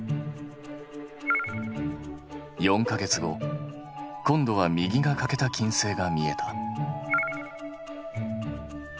４か月後今度は右が欠けた金星が見えた。